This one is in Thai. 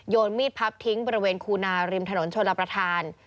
นมีดพับทิ้งบริเวณคูนาริมถนนชนรับประทาน